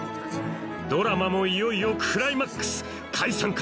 ドラマもいよいよクライマックス解散か？